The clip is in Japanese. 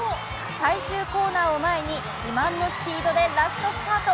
最終コーナーを前に自慢のスピードでラストスパート。